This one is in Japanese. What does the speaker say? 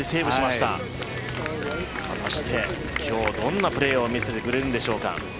果たして今日、どんなプレーを見せてくれるんでしょうか。